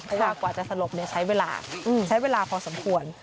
เพราะว่ากว่าจะสลบใช้เวลาใช้เวลาพอสมควร